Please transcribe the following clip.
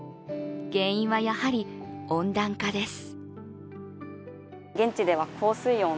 原因は、やはり温暖化です。